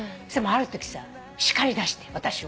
あるとき叱りだして私を。